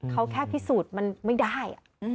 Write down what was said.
เขาแค่พิสูจน์มันไม่ได้